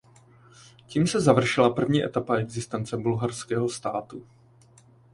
Tím se završila první etapa existence bulharského státu.